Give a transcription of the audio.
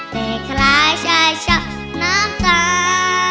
แต่คล้ายชายชอบหน้ากา